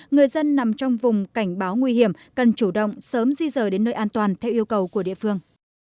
người dân nằm trong vùng cảnh báo nguy hiểm cần chủ động sớm di rời đến nơi an toàn theo yêu cầu của địa phương